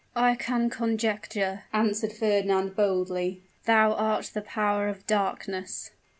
"I can conjecture," answered Fernand, boldly. "Thou art the Power of Darkness."